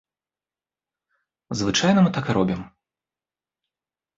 Звычайна мы так і робім.